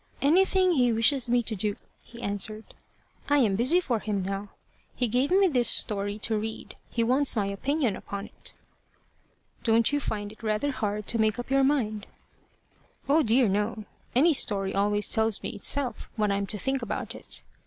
"Anything he wishes me to do," he answered. "I am busy for him now. He gave me this story to read. He wants my opinion upon it." "Don't you find it rather hard to make up your mind?" "Oh dear no! Any story always tells me itself what I'm to think about it.